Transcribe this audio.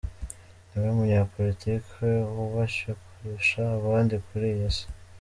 Niwe munyapolitiki wubashywe kurusha abandi kuri iyi si.